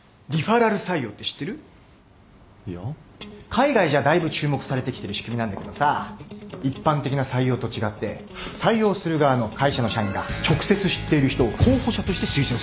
海外じゃだいぶ注目されてきてる仕組みなんだけどさ一般的な採用と違って採用する側の会社の社員が直接知っている人を候補者として推薦するんだ